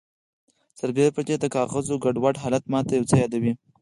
سربیره پردې د کاغذونو ګډوډ حالت ماته یو څه یادوي